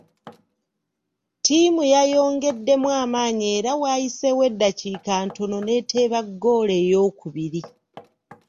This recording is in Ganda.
Ttiimu yayongeddemu amaanyi era waayiseewo eddakiika ntono n'eteeba ggoolo eyookubiri.